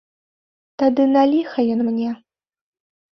Тады на ліха ён мне?